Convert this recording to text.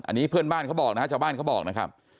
อันนี้เพื่อนบ้านเขาบอกนะฮะชาวบ้านเขาบอกนะครับ